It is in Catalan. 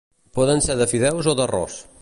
Poden ser de fideus o d'arròs